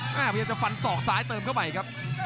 พยายามจะฟันศอกซ้ายเติมเข้าไปครับ